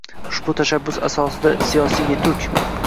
Ushbu tashabbus asosida siyosiy yetuk.